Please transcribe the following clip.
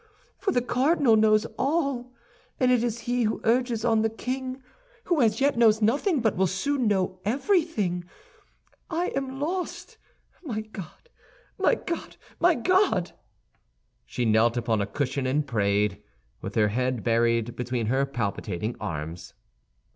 —for the cardinal knows all, and it is he who urges on the king, who as yet knows nothing but will soon know everything. I am lost! My God, my God, my God!" She knelt upon a cushion and prayed, with her head buried between her palpitating arms.